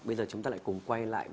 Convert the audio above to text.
bây giờ chúng ta lại cùng quay lại